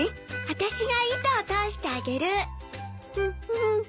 私が糸を通してあげる。